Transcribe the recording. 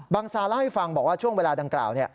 ซาเล่าให้ฟังบอกว่าช่วงเวลาดังกล่าว